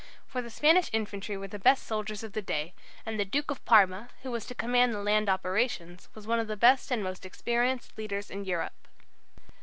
For the Spanish infantry were the best soldiers of the day, and the Duke of Parma, who was to command the land operations, was one of the best and most experienced leaders in Europe.